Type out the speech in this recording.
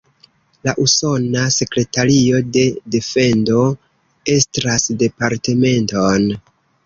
La Usona Sekretario de Defendo estras departementon.